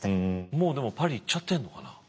もうでもパリ行っちゃってんのかな？